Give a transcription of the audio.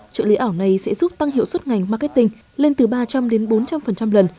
trợ lý ảo này sẽ giúp tăng hiệu suất ngành marketing lên từ ba trăm linh đến bốn trăm linh lần